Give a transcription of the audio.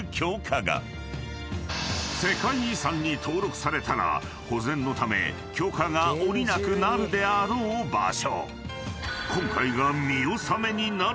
［世界遺産に登録されたら保全のため許可が下りなくなるであろう場所］